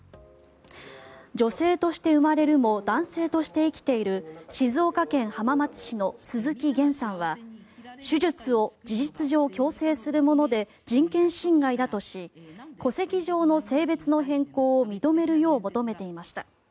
女性として生まれるも男性として生きている静岡県浜松市の鈴木げんさんは手術を事実上強制するもので人権侵害だとし戸籍上の性別の変更を認めるよう求めていました。